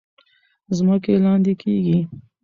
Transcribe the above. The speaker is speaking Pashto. ځمکې لاندې کیږي.